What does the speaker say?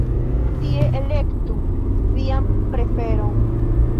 Tie elektu vian preferon.